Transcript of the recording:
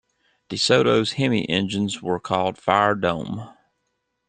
DeSoto's Hemi engines were called Fire Dome.